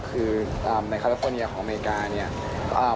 คือในแคลฟอร์เนียของอเมริกา